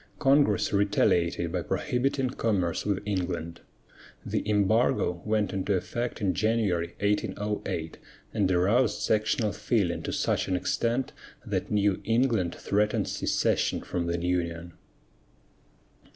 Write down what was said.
Congress retaliated by prohibiting commerce with England. The embargo went into effect in January, 1808, and aroused sectional feeling to such an extent that New England threatened secession from the Union.